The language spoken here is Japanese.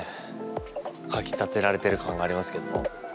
かきたてられてる感がありますけども。